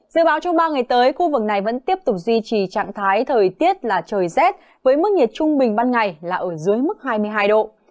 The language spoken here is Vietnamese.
dự báo trong ba ngày tới khu vực này vẫn tiếp tục duy trì trạng thái thời tiết là trời rét với mức nhiệt trung bình ban ngày là ở dưới mức hai mươi hai độ